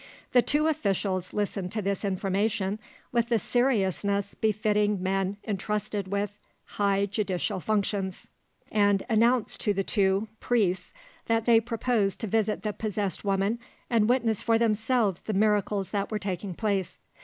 The two officials listened to this information with the seriousness befitting men entrusted with high judicial functions, and announced to the two priests that they proposed to visit the possessed women and witness for themselves the miracles that were taking place.